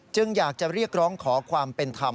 อยากจะเรียกร้องขอความเป็นธรรม